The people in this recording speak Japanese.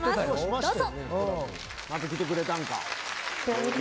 どうぞ。